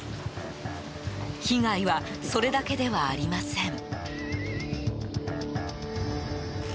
被害はそれだけではありません。